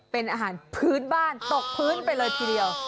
เป็นอาหารพื้นบ้านตกพื้นไปเลยทีเดียว